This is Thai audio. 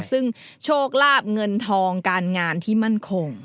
ซึ่งโชคลาบเงินทองการงานที่มั่นคง